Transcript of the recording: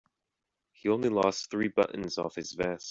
He only lost three buttons off his vest.